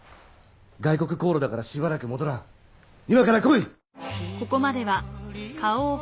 外国航路だからしばらく戻らん今から来い！